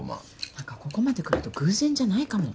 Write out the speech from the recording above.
何かここまでくると偶然じゃないかも。